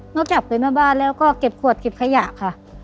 จากเป็นแม่บ้านแล้วก็เก็บขวดเก็บขยะค่ะ